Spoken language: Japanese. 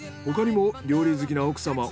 他にも料理好きな奥様